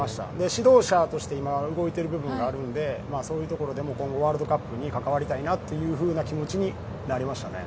指導者として今、動いている部分があるのでそういうところでもワールドカップに関わりたいなというふうな気持ちになりましたね。